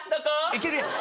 いけるやん。